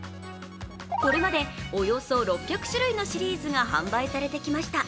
これまでおよそ６００種類のシリーズが販売されてきました。